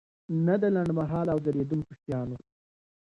نه د لنډمهاله او ځلیدونکي شیانو.